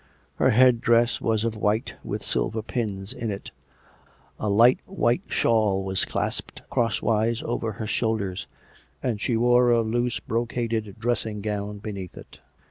Her head dress was of white, with silver pins in it; a light white shawl was clasped cross wise over her shoulders; and she wore a loose brocaded dressing gown beneath it.